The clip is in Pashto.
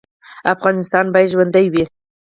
افغانستان باید ژوندی وي